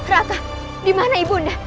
raka dimana ibu nda